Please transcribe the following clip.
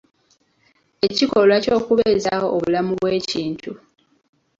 Ekikolwa ky'okubeezaawo obulamu bw'ekintu.